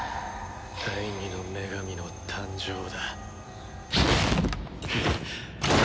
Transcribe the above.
第２の女神の誕生だ。